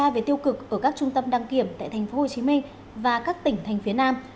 về tiêu cực ở các trung tâm đăng kiểm tại tp hcm và các tỉnh thành phía nam